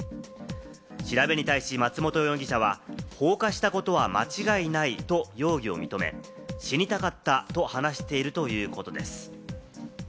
調べに対し松本容疑者は、放火したことは間違いないと容疑を認め、死にたかったと話しているということです。